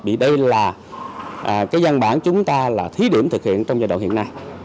vì đây là cái văn bản chúng ta là thí điểm thực hiện trong giai đoạn hiện nay